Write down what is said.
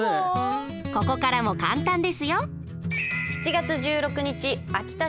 ここからも簡単ですよ。